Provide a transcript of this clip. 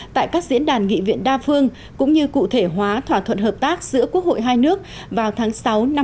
tại các diễn đàn nghị viện đa phương cũng như cụ thể hóa thỏa thuận hợp tác giữa quốc hội hai nước vào tháng sáu năm hai nghìn hai mươi